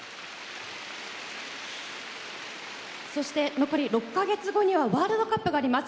そして、残り６か月後にはワールドカップがあります。